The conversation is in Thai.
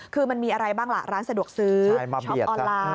คือมันมีอะไรบ้างล่ะร้านสะดวกซื้อช็อปออนไลน์